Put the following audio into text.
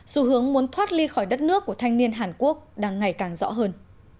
xu hướng muốn thoát ly khỏi đất nước của thanh niên hàn quốc đang ngày càng rõ hơn